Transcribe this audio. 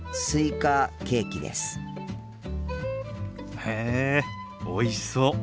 へえおいしそう。